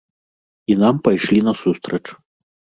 І нам пайшлі насустрач.